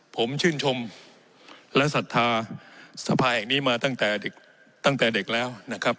ผมชื่นชมและสัตธาสภาแห่งนี้มาตั้งแต่เด็กแล้วนะครับ